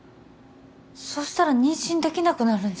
そしたら妊娠できなくなるんじゃ